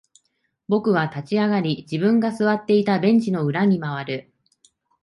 僕は立ち上がり、自分が座っていたベンチの裏に回る。